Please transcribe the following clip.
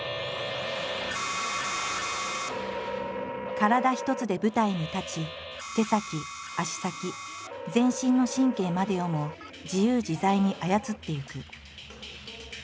体一つで舞台に立ち手先足先全身の神経までをも自由自在に操っていく。